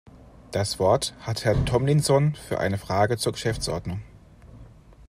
Das Wort hat Herr Tomlinson für eine Frage zur Geschäftsordnung.